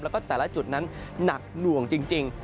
แล้วก็แต่ละจุดนั้นหนักหน่วงจริง